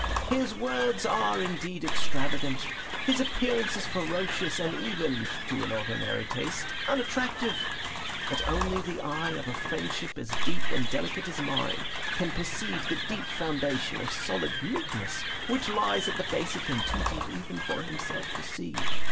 His words are, indeed, extravagant; his appearance is ferocious, and even (to an ordinary taste) unattractive. But only the eye of a friendship as deep and delicate as mine can perceive the deep foundation of solid meekness which lies at the base of him, too deep even for himself to see.